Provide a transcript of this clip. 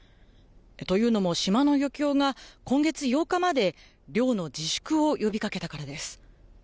というのも、島の漁協が今月８日まで、漁の自粛を呼びかけたからです。